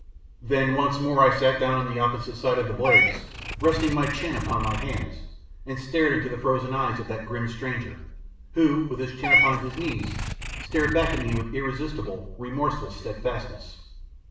Then once more I sat down on the opposite side of the blaze, resting my chin upon my hands, and stared into the frozen eyes of that grim stranger, who, with his chin upon his knees, stared back at me with irresistible, remorseless steadfastness.